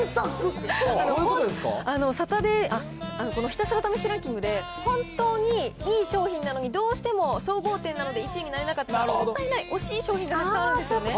このひたすら試してランキングで、本当にいい商品なのに、どうしても総合点なので１位になれなかった、もったいない、惜しい商品がたくさんあるんですね。